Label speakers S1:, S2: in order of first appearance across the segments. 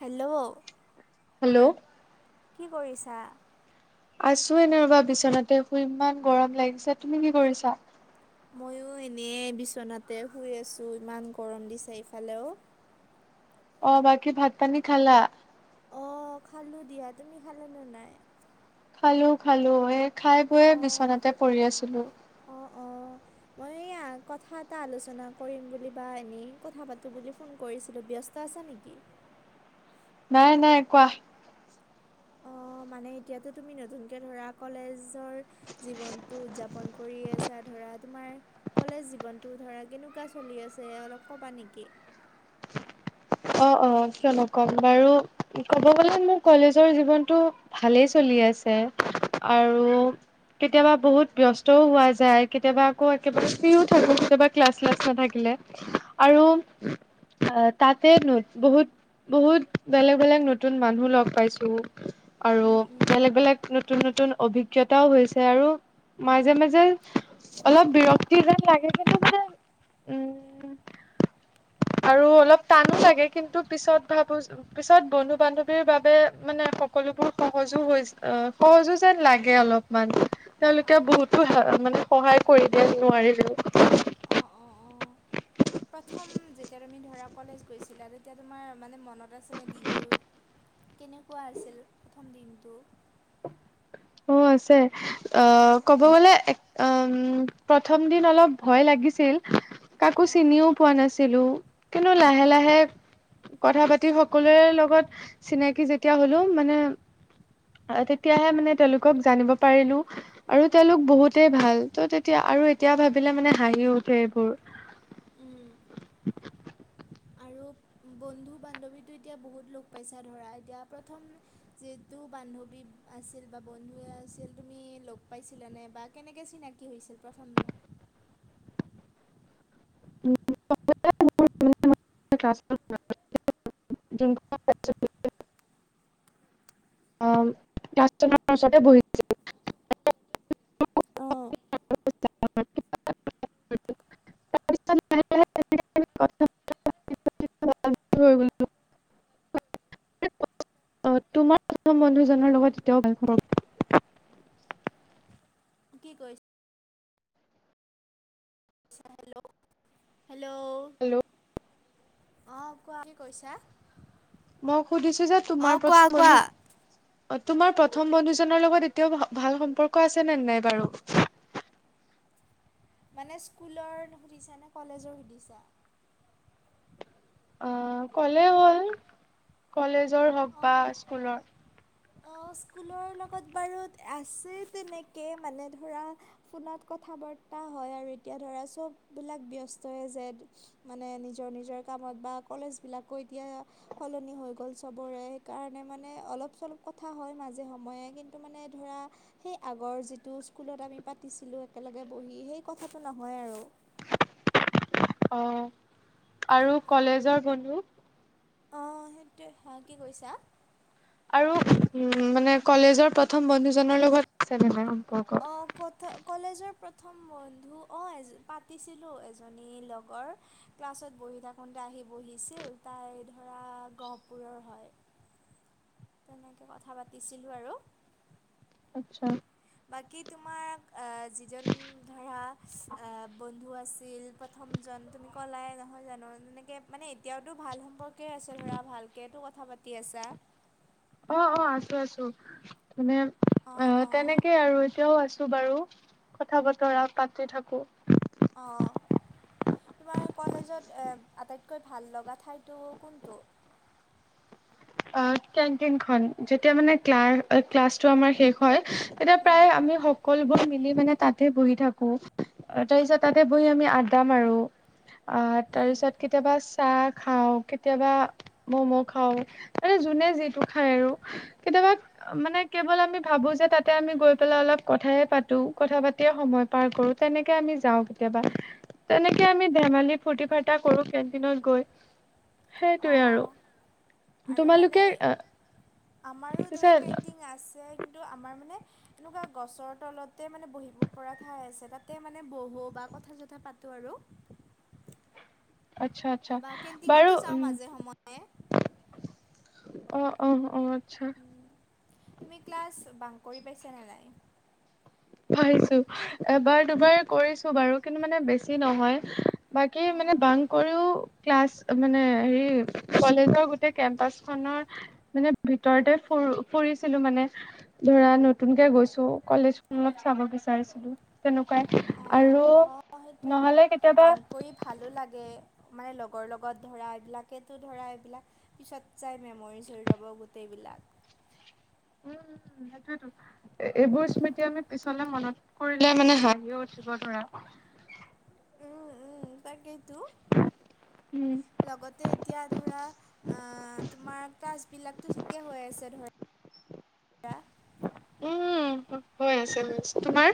S1: Hello! [inaudible]
S2: Hello! [inaudible]
S1: কি কৰিছা? [unintelligible]
S2: আছোঁ এনেই ৰবা বিচনাতে শুই ইমান গৰম লাগিছে। তুমি কি কৰিছা? [unintelligible]
S1: ময়ো এনেই বিচনাতে শুই আছোঁ, ইমান গৰম দিছে এইফালেও। [unintelligible]
S2: অঁ! বাকী ভাত, পানী খালা? [unintelligible]
S1: অঁ! খালোঁ দিয়া। তুমি খালা নে নাই? [unintelligible]
S2: খালোঁ-খালোঁ, এই খাই বৈয়ে বিচনাতে পৰি আছিলোঁ। [unintelligible]
S1: অঁ-অঁ! মই এই [unintelligible] [unintelligible] কথা এটা আলোচনা কৰিম বুলি বা এনেই কথা পাতো বুলি ফোন কৰিছিলোঁ ব্যস্ত আছা নেকি? [inaudible]
S2: নাই-নাই, কোৱা? [inaudible]
S1: অ' মানে এতিয়াটো তুমি নতুনকে ধৰা কলেজৰ জীৱনটো উদযাপন [inaudible] কৰি আছা ধৰা তোমাৰ [unintelligible] কলেজ জীৱনটো ধৰা কেনেকুৱা চলি আছে অলপ কবা নেকি? [unintelligible]
S2: অঁ-অঁ! কিয় নকম বাৰু, ক'ব গ'লে মোৰ কলেজৰ জীৱনটো [unintelligible] ভালেই চলি আছে। আৰু [unintelligible] কেতিয়াবা বহুত ব্যস্তও হোৱা যায়, কেতিয়াবা আকৌ একেবাৰে ফ্ৰীও থাকো কেতিয়াবা ক্লাছ শ্লাছ নাথাকিলে। আৰু আহ তাতে বহুত বহুত বেলেগ বেলেগ নতুন মানুহ লগ পাইছো। আৰু
S1: উম উম
S2: বেলেগ বেলেগ নতুন নতুন অভিজ্ঞতাও হৈছে আৰু মাজে মাজে অলপ বিৰক্তি যেন লাগে কিন্তু মানে উম
S1: [inaudible]
S2: আৰু অলপ টানো লাগে কিন্তু পিছত ভাবো পিছত বন্ধু বান্ধৱীৰ বাবে মানে সকলোবোৰ সহজো হৈ অ' সহজো যেন লাগে অলপ। মান তেওঁলোকে
S1: অ'
S2: বহুতো মানে সহায় কৰি দিয়ে নোৱাৰিলেও।
S1: অঁ অঁ অঁ। প্ৰথম যেতিয়া তুমি ধৰা কলেজ গৈছিলা তেতিয়া তোমাৰ মানে ম নত আছেনে দিনটো কেনেকুৱা আছিল প্ৰথম দিনটো?
S2: অ' আছে অ
S1: অঁ
S2: ক'ব গ'লে আ উম' প্ৰথম দিন অলপ ভয় লাগিছিল, কাকো
S1: অঁ
S2: চিনিও পোৱা নাছিলোঁ। কিন্তু
S1: অঁ
S2: লাহে
S1: অঁ
S2: লাহে কথা পাতি সকলোৰে লগত চিনাকি যেতিয়া হ'লো মানে, তেতিয়াহে মানে তেওঁলোকক জানিব পাৰিলোঁ। আৰু তেওঁলোক বহুতেই ভাল ত' তেতিয়া আৰু এতিয়া ভাবিলে মানে হাঁহি উঠে এইবোৰ।
S1: উম আৰু? বন্ধু বান্ধৱীটো এতিয়া বহুত লগ পাইছা ধৰা এতিয়া প্ৰথম যিহেটো বান্ধৱী আছিল বা বন্ধুৱে আছিল তুমি লগ পাইছিলা নে বা কেনেকৈ চিনাকি হৈছিল প্ৰথম?
S2: [unintelligible] য [unintelligible] অ' ক্লাছত লগতে বহিছিলো। তোমাৰ প্ৰথম বন্ধুজনৰ লগত এতিয়াও ভাল সম্পৰ্ক
S1: কি কৈ ছা? Hello hello! অঁ কোৱা, কি কৈছা?
S2: মই সুধিছো যে
S1: অঁ কোৱা কোৱা?
S2: অ' তোমাৰ প্ৰথম বন্ধুজনৰ লগত এতিয়াও ভাল সম্পৰ্ক আছে নে নাই বাৰু?
S1: মানে স্কুলৰ সুধিছা নে কলেজৰ সুধিছা?
S2: অ' কলে হ'ল কলেজৰ হওক বা
S1: অঁ
S2: স্কুলৰ।
S1: অ' স্কুলৰ লগত বাৰু আছে তেনেকে মানে ধৰা ফোনত কথা বাৰ্তা হয় আৰু এতিয়া ধৰা চববিলাক ব্যস্তই যে, মানে নিজৰ নিজৰ কামত বা কলেজ বিলাকো এতিয়া সলনি হৈ গ'ল চ চবৰে সেইকাৰণে মানে অলপ চলপ কথা হয় মাজে সময়ে। কিন্তু মানে ধৰা, সেই আগৰ যিটো স্কুলত আমি পাতিছিলো একেলগে বহি সেই কথাটো নহয় আৰু।
S2: অ' আৰু কলেজৰ বন্ধু?
S1: অঁ সেইটোৱে। হা কি কৈছা?
S2: আৰু উম মানে কলেজৰ প্ৰথম বন্ধু জনৰ লগত [unintelligible]
S1: অঁ কত? কলেজৰ প্ৰথম বন্ধু অঁ পাতিছিলোঁ এজনী লগৰ। ক্লাছত বহি থাকোঁতে আহি বহিছিল তাই ধৰা গহপুৰৰ হয়। তেনেকে কথা পাতিছিলোঁ আৰু।
S2: আচ্ছা।
S1: বাকী তোমাৰ এ যিজন ধৰা এ বন্ধু আছিল প্ৰথমজন তুমি ক'লাই নহয় জানো? যেনেকে মানে এতিয়াওতো ভাল সম্পৰ্ক, কে আছে ধৰা ভালকেতো কথা পাতি আছা।
S2: অ' অ' আছো আছো, মানে অ তেনেকেই আৰু এতিয়াও আছো বাৰু। কথা বতৰা পাতি থাকো।
S1: অঁ। তোমাৰ কলেজত এ আটাইতকৈ ভাল লগা ঠাইতো কোনটো?
S2: অ' কেনটিনখন, যেতিয়া মানে ক্লা ক্লাছটো আমাৰ শেষ, হয়, তেতিয়া
S1: উম,
S2: প্ৰায় আমি সকলোবোৰ মিলি মানে তাতে বহি থাকো। তাৰপিছত তাতে বহি আমি আড্ডা মাৰো। আহ'
S1: উম।
S2: তাৰপিছত কেতিয়াবা চাহ খাওঁ, কেতিয়াবা মম' খাওঁ। মানে যোনে যিটো খায় আৰু কেতিয়াবা, মানে কেৱল আমি ভাবো যে তাতে আমি গৈ পেলাই অলপ কথাহে পাতো, কথা পাতিয়েই সময়, পাৰ কৰো তেনেকে আমি যাওঁ কেতিয়াবা। তেনেকে আমি ধেমালি ফূৰ্তি ফাৰ্তা কৰো কেন্টিনত গৈ, সেইটোৱে আৰু।
S1: অঁ আৰু মানে
S2: তোমালোকে
S1: আমাৰো ধৰক
S2: পিছে
S1: কেনণ্টিং আছে কিন্তু আমাৰ মানে এনেকুৱা গছৰ তলতে মানে বহিব পৰা ঠাই আছে, তাতে মানে বহো বা কথা-চথা পাতো আৰু।
S2: আচ্ছা আচ্ছা
S1: বা
S2: বাৰু
S1: কেণ্টিঙতো যাওঁ
S2: উম্
S1: মাজে সময়ে
S2: [inaudible] অ অ অ। আচ্ছা
S1: তুমি ক্লাছ বাঙ কৰি পাইছা নে নাই?
S2: পাইছো এবাৰ দুবাৰ কৰিছো বাৰু, কিন্তু মানে বেছি নহয়। বাকী মানে বাঙ কৰিও ক্লাছ মানে হেৰি কলেজৰ গোটেই কেম্পাচ খনৰ মানে ভিতৰতে ফুৰ ফুৰিছিলো মানে ধৰা নতুনকে গৈছো কলেজ অলপ চাব বিচাৰিছিলো তেনেকুৱাই
S1: অঁ
S2: আৰু
S1: অঁ সেইটোৱেতো
S2: নহলে কেতিয়াবা
S1: বাং কৰি ভালো লাগে মানে লগৰ লগত ধৰা এইবিলাকেতো ধৰা এইবিলাক পিছত যায় মেমৰিজ হৈ ৰ'ব গোটেইবিলাক।
S2: উম সেইটোয়েতো কথা। [inaudible] এইবোৰ স্মৃতি আমি পিছলে মনত পৰিলে মানে হাঁহিও উঠিব ধৰা।
S1: উম উম তাকেইটো,
S2: উম
S1: লগতে এতিয়া ধৰা আহ তোমাৰ ক্লাচ বিলাকটো ঠিকে হৈ আছে ধৰা।
S2: উম হৈ আছে আছে, তোমাৰ?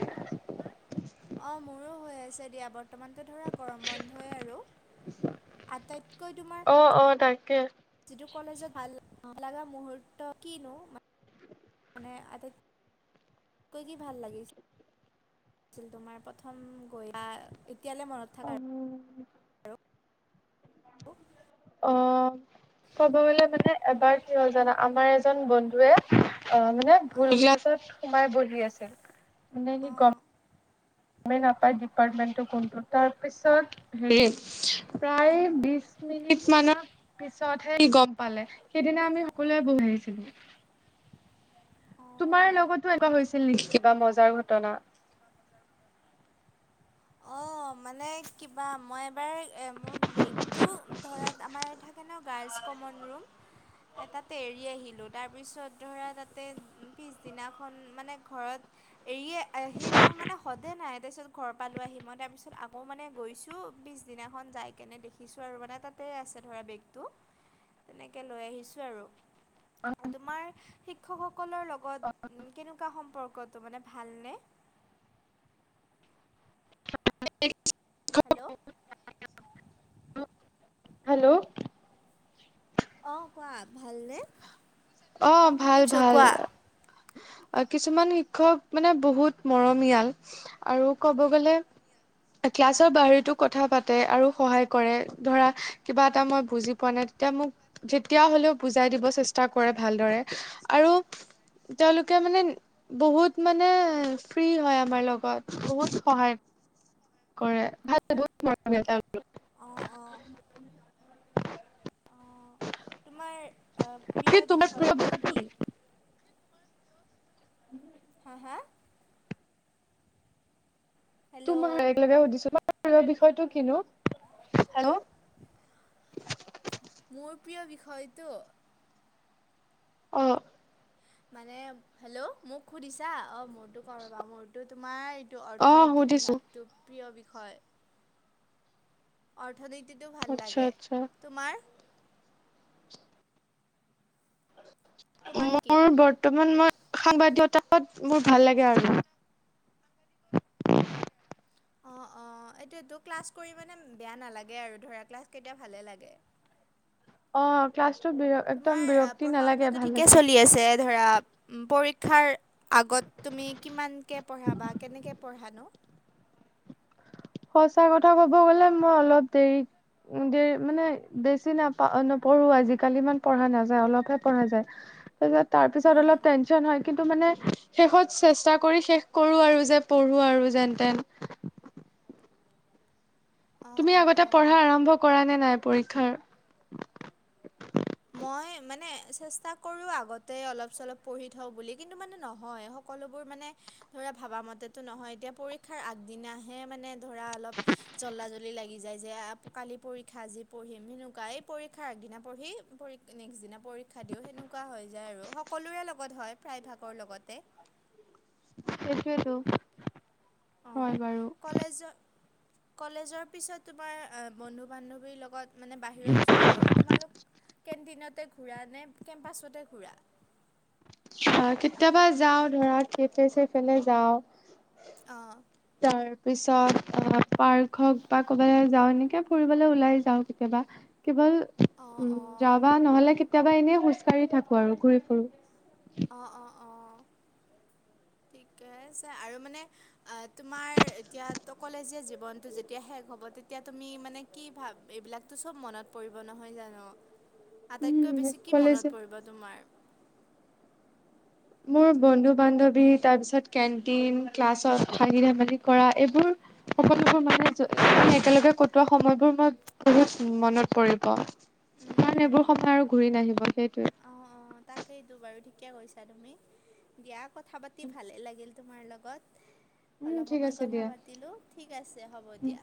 S1: অঁ মোৰো হৈ আহিছে দিয়া বত বৰ্তমানটো ধৰা গৰম বন্ধই আৰু, আটাইতকৈ তোমাৰ
S2: অ', অ তাকে।
S1: যিটো কলেজত ভাল লগা মুহুৰ্ত কিনো? মানে আটাইতকৈ কি ভাল লাগিছে? ছিল তোমাৰ প্ৰথম গৈ বা এতিয়ালে মনত থাকা?
S2: উম অ কব গলে মানে এবাৰ কি হল জানা? আমাৰ এজন বন্ধুৱে অ মান ভুল
S1: অঁ
S2: ক্লাছত সোমাই বহি আছিল, মানে কি গম
S1: অঁ
S2: গমেই নাপায় ডিপাৰ্টমেণ্টটো কোনটো তাৰপিছত হেৰি প্ৰায় বিশ মিনিট মানত পিছতহে সি গম পালে, সেইদিনা আমি সকলোৱে বহি আছিলো। তোমাৰ
S1: অঁ
S2: লগতো এনেকুৱা হৈছিল নেকি কিবা মজাৰ ঘটনা?
S1: অ মানে কিবা মই এবাৰ মোৰ বেগটো ধৰা আমাৰ সেইকাৰণে, গাৰ্লছ কমন ৰুম, তাতে এৰি আহিলোঁ। তাৰপিছত, ধৰা তাতে পিছদিনাখন মানে, ঘৰত এৰিয়ে আহি, মোৰ মানে, সদে নাই। তাৰপিছত ঘৰৰ পালোঁ আহি। মই, তাৰপিছত আকৌ মানে গৈছোঁ, পিছ দিনাখন যাই কেনে, দেখিছোঁ আৰু মানে, তাতে আছে ধৰা বেগটো। তেনেকৈ লৈ আহিছোঁ আৰু। তোমাৰ শিক্ষকসকলৰ লগত কেনেকুৱা সম্পৰ্কটো, মানে ভালনে?
S2: [unintelligible]
S1: হেল্ল'?
S2: হেল্ল'?
S1: অ'! কোৱা, ভালনে?
S2: অ'! ভাল,
S1: শুনিছোঁ
S2: ভাল।
S1: কোৱা
S2: কিছুমান শিক্ষক মানে, বহুত মৰমীয়াল। আৰু ক'ব গ'লে, ক্লাছৰ বাহৰিতো কথা পাতে আৰু সহায় কৰে। ধৰা, কিবা এটা মই বুজি পোৱা নাই, তেতিয়া মোক, যেতিয়া হ'লেও বুজাই দিব চেষ্টা কৰে ভালদৰে। আৰু তেওঁলোকে মানে, বহুত মানে, ফ্ৰী হয় আমাৰ লগত, বহুত সহায় কৰে। ভাল, বহুত মৰমীয়াল তেওঁলোক!
S1: অ' অ'! তোমাৰ আঁ
S2: কি
S1: প্ৰিয়
S2: তোমাৰ প্ৰিয়
S1: বিষয়টো কি?
S2: [inaudible]
S1: হা, হা?
S2: [unintelligible]
S1: হেল্ল'
S2: সুধিছো! তোমাৰ বিষয়টো কিনো? হেল্ল'!
S1: [inaudible] মোৰ প্ৰিয় বিষয়টো
S2: অ'!
S1: মানে, হেল্ল'! মোক সুধিছা, অ'! মোৰটো কওঁ ৰ'বা, মোৰতো তোমাৰ, এইটো,
S2: অ
S1: অৰ্থনীতি
S2: সুধিছো
S1: বিভাগটো প্ৰিয় বিষয়। অৰ্থনীতিটো ভাল
S2: আচ্ছা
S1: লাগে!
S2: আচ্ছা
S1: তোমাৰ? তোমাৰ কি
S2: মোৰ, বৰ্তমান মই, সাংবাদিকতাত মোৰ ভাল লাগে আৰু!
S1: অ' অ'! এইটোৱেতো ক্লাছ কৰি মানে, বেয়া নালাগে! আৰু ধৰা, ক্লাছ কেইটা ভালেই লাগে।
S2: অ'! ক্লাছটো [unintelligible]
S1: তোমাৰ
S2: বিৰক্তি
S1: পঢ়া-
S2: নালাগে
S1: শুনাটো
S2: ভাল
S1: ঠিকে
S2: লাগে।
S1: চলি আছে! ধৰা পৰীক্ষাৰ আগত তুমি, কিমানকে পঢ়া বা কেনেকৈ পঢ়ানো?
S2: সঁচা কথা ক'ব গ'লে! মই অলপ দেৰি। উম! দেৰি মানে, বেছি নাপা, নপঢ়ো, আজিকালি ইমান পঢ়া নাযায়, অলপহে পঢ়া যায়।
S1: [inaudible]
S2: [unintelligible] তাৰপিছত,
S1: উম।
S2: অলপ টেনশ্যন হয়! কিন্তু মানে, শেষত চেষ্টা কৰি শেষ কৰোঁ আৰু যে, পঢ়ো আৰু যেন-তেন।
S1: অ',
S2: তুমি
S1: অ',
S2: আগতে, পঢ়া
S1: অ'।
S2: আৰম্ভ কৰা নে নাই, পৰীক্ষাৰ?
S1: মই মানে, চেষ্টা কৰোঁ আগতে অলপ-চলপ পঢ়ি থওঁ বুলি, কিন্তু মানে, নহয়। সকলোবোৰ মানে ধৰা, ভাবামতেটো নহয়! এতিয়া, পৰীক্ষাৰ আগদিনাহে মানে, ধৰা অলপ জলদা-জলদি লাগি যায় যে, কালি পৰীক্ষা, আজি পঢ়িম। কিন্তু, কালি পৰীক্ষাৰ আগদিনা পঢ়ি পৰি, নেক্সট দিনা পৰীক্ষা দিওঁ, সেনেকুৱা হৈ যায় আৰু। সকলোৰে লগত হয়, প্ৰায়ভাগৰ লগতে।
S2: সেইটোৱেটো!
S1: অ'! কলেজৰ কলেজৰ পিছত তোমাৰ, আঁ বন্ধু-বান্ধৱীৰ লগত মানে, বাহিৰত যোৱা নে? নে, তোমালোক কেণ্টিনতে ঘূৰা নে, কেম্পাছতে ঘূৰা?
S2: অ',। কেতিয়াবা যাওঁ ধৰা, কেফেছেফেলে যাওঁ।
S1: অ',।
S2: তাৰ পিছত পাৰ্ক হওঁক বা ক'বালে যাওঁ এনেকে ফুৰিবলৈ ওলাই যাওঁ, কেতিয়াবা। কেৱল
S1: অঁ
S2: উম।
S1: অঁ
S2: যাবা নহ'লে, কেতিয়াবা এনেই খোজকাঢ়ি থাকোঁ আৰু ঘূৰি ফুুৰো।
S1: অ', - অ', - অ'। ঠিকেই আছে আৰু মানে অ',। তোমাৰ এতিয়া কলেজীয়া জীৱনতটো যেতিয়া শেষ হ'ব তেতিয়া তুমি মানে কি ভাব, এইবিলাকতো চব মনত পৰিব নহয়, জানো? আটাইতকৈ
S2: উম
S1: বেছি কি
S2: কলেজ
S1: মনত পৰিব তোমাৰ?
S2: মোৰ বন্ধু-বান্ধৱী, তাৰপিছত কেন্টিন, ক্লাছত হাঁহি-ধেমালি কৰা এইবোৰ। সকলোবোৰ মানে, একেলগে কটোৱা সময়বোৰ মই বহুত মনত পৰিব।
S1: উম
S2: কাৰণ, এইবোৰ সময় আৰু ঘূৰি নাহিব সেইটোৱেই।
S1: অ', - অ',। তাকেইতো বাৰু ঠিকে কৈছা তুমি। দিয়া কথা পাতি ভালেই লাগিল। তোমাৰ লগত
S2: উম
S1: অলপ
S2: ঠিক
S1: সময়
S2: আছে
S1: কথা
S2: দিয়া
S1: পাতিলোঁ। ঠিক আছে, হ'ব দিয়া।